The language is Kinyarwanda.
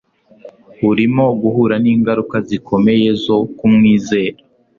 Urimo guhura ningaruka zikomeye zo kumwizera